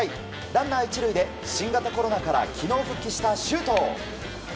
ランナー１塁で新型コロナから昨日復帰した周東。